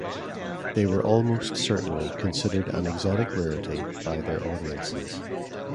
They were almost certainly considered an exotic rarity by their audiences.